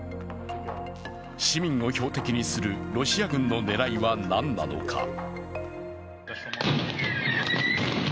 市民を標的にするロシア軍の狙いは何なのか。